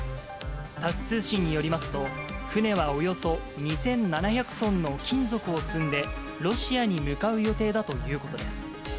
タス通信によりますと、船はおよそ２７００トンの金属を積んで、ロシアに向かう予定だということです。